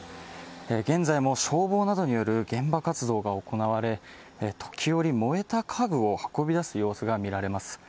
現在も消防などによる現場活動が行われ時折、燃えた家具を運び出す様子が見られます。